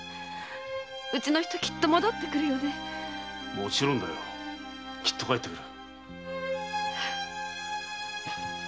もちろんだよきっと帰ってくる。